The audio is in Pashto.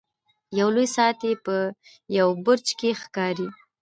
یو لوی ساعت یې په یوه برج کې ښکاري.